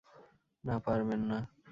না, পারবেন না।